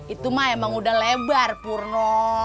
itu mah emang udah lebar purno